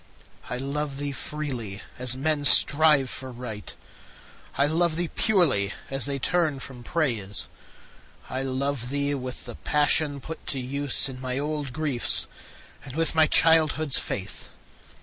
I love thee freely, as men strive for Right; I love thee purely, as they turn from Praise. I love thee with the passion put to use In my old griefs, and with my childhood's faith.